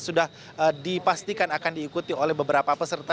sudah dipastikan akan diikuti oleh beberapa peserta